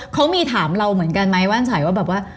เขามีถามเราเหมือนกันไหมว่านใสว่าแบบว่า